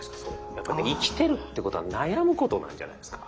やっぱり生きているってことは悩むことなんじゃないですか。